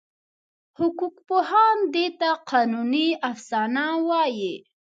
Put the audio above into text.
حقوقپوهان دې ته قانوني افسانه وایي.